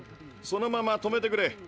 そのまま止めてくれ。